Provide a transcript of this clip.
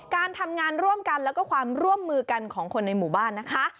การทำงานร่วมกันแล้วก็ความร่วมมือกันของคนในหมู่บ้านนะคะ